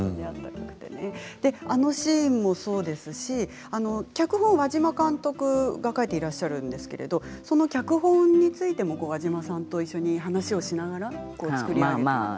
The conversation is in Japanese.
あのシーンもそうですし脚本を和島監督が書いてらっしゃるんですけれどその脚本についても和島さんと一緒に話をしながら作り上げたと。